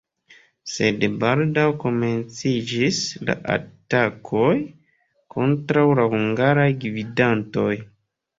Sed baldaŭ komenciĝis la atakoj kontraŭ la hungaraj gvidantoj.